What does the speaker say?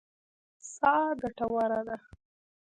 سا ګټوره ده.